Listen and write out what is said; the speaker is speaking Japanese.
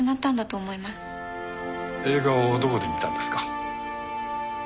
映画をどこで見たんですか？